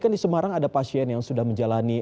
kan di semarang ada pasien yang sudah menjalani